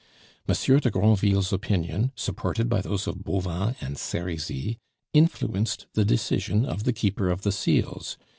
Monsieur de Granville's opinion, supported by those of Bauvan and Serizy, influenced the decision of the Keeper of the Seals.